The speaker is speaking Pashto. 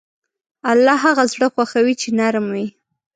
الله هغه زړه خوښوي چې نرم وي.